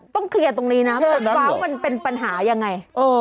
ต้องเคลียร์ตรงนี้นะว้างมันเป็นปัญหาอย่างไร